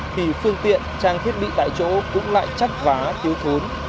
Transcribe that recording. thì phương tiện trang thiết bị tại chỗ cũng lại chắc vá thiếu thốn